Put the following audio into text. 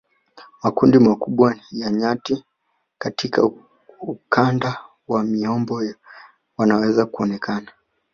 Makundi makubwa ya nyati katika ukanda wa miombo wanaweza kuonekana